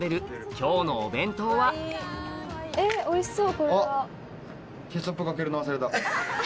今日のお弁当はおいしそう！